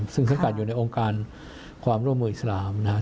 ซึ่งสังกัดอยู่ในองค์การความร่วมมืออิสลามนะครับ